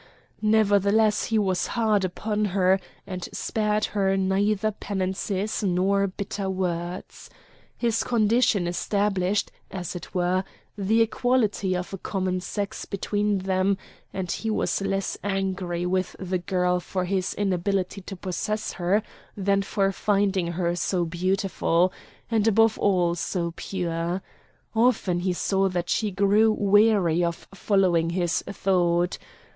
Nevertheless he was hard upon her, and spared her neither penances nor bitter words. His condition established, as it were, the equality of a common sex between them, and he was less angry with the girl for his inability to possess her than for finding her so beautiful, and above all so pure. Often he saw that she grew weary of following his thought.